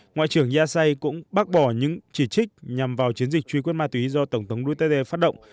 ngoại trưởng yase cũng bác bỏ những chỉ trích nhằm vào chiến dịch truy quét ma túy do tổng thống duterte phát động